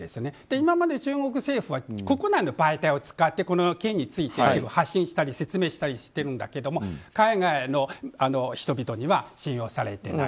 今まで中国政府は国内の媒体を使ってこの件について発信したり説明したりしてるんだけども海外の人々には信用されていない。